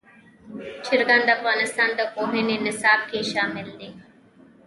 چرګان د افغانستان د پوهنې نصاب کې شامل دي.